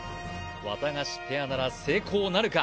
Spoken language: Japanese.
ワタガシペアなら成功なるか？